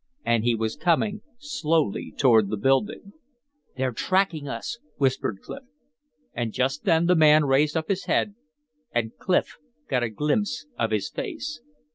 And he was coming slowly toward the building. "They're tracking us," whispered Clif. And just then the man raised up his head and Clif got a glimpse of his face.